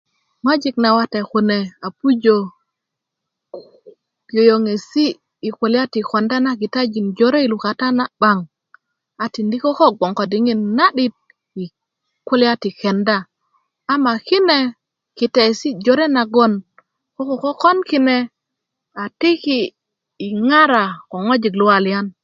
ŋojik nawate kune a pujö yoyoŋesi i kulya ti konda na kitajin jore lukata na 'baŋ a tindi koko bgoŋ ko diŋit na'dit i kulyabti kenda ama kine kitaesi jore nagon ko ko kokon kine a tiki i ŋara ko ŋojik luwalian